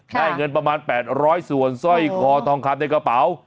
ได้เงินประมาณแปดร้อยส่วนซ่อยกอทองคับในกระเป๋า